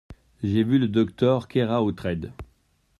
J’ai vu le docteur Keraotred.